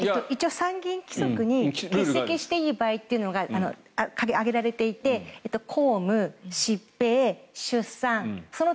参議院規則に欠席していい場合というのが挙げられていて公務、疾病、出産その他